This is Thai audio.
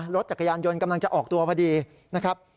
รถจักรยานยนต์กำลังจะออกตัวพอดีนะครับ